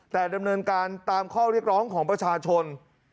แต่ดำเนินการตามข้อเรียกร้องของประชาชน